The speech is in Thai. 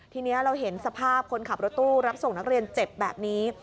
ทีนี้เราเห็นสภาพคนขับรถตู้รับส่งนักเรียนเจ็บแบบนี้